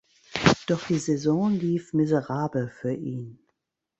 Doch die Saison lief miserabel für ihn.